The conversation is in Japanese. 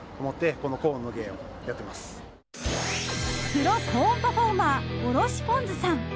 プロコーンパフォーマーおろしぽんづさん。